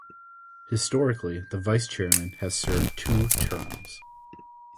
Historically, the Vice Chairman has served two terms.